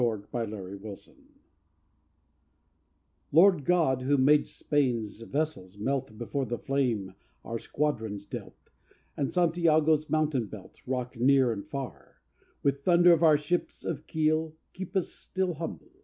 OUR CAUSE I Lord God, who mad'st Spain's vessels melt Before the flame our squadrons dealt, And Santiago's mountain belt Rock near and far With thunder of our ships of steel, Keep us still humble!